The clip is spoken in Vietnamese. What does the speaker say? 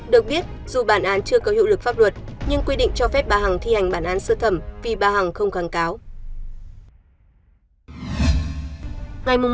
được biết dù bản án chưa có hiệu lực pháp luật nhưng quy định cho phép bà hằng thi hành bản án sơ thẩm vì bà hằng không kháng cáo